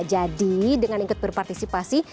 jadi dengan ikut berpartisipasi